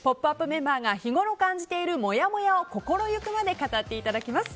メンバーが日ごろ感じているもやもやを心ゆくまで語っていただきます。